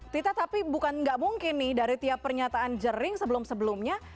tita tapi bukan nggak mungkin nih dari tiap pernyataan jering sebelum sebelumnya